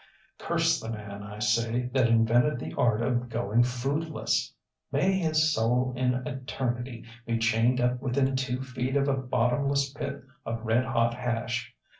Curse the man, I say, that invented the art of going foodless. May his soul in eternity be chained up within two feet of a bottomless pit of red hot hash.